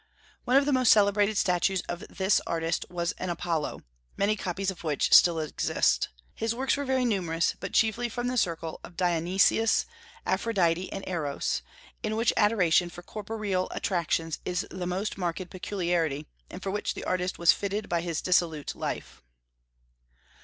One of the most celebrated statues of this artist was an Apollo, many copies of which still exist. His works were very numerous, but chiefly from the circle of Dionysus, Aphrodite, and Eros, in which adoration for corporeal attractions is the most marked peculiarity, and for which the artist was fitted by his dissolute life.